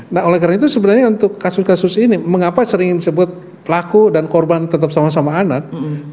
nah oleh karena itu sebenarnya untuk kasus kasus ini mengapa sering disebut pelaku dan korban tetap sama sama anak